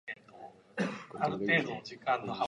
でも、そのうちメッセージを受信しそうな気配があった